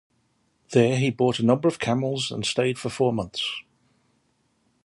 There he bought a number of camels and stayed for four months.